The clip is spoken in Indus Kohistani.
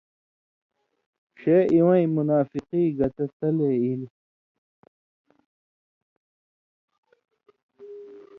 ݜے اِوَیں منافقی گتہ تلے ایلیۡ۔